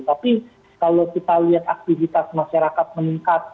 tapi kalau kita lihat aktivitas masyarakat meningkat